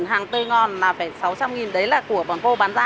cây gà tươi ngon là khoảng sáu trăm linh đồng đấy là của bà cô bán ra